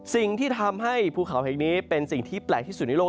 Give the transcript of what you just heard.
สิ่งที่ทำให้ภูเขาแห่งนี้เป็นสิ่งที่แปลกที่สุดในโลก